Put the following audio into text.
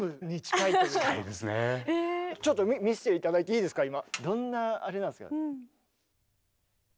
ちょっと見せて頂いていいですか今。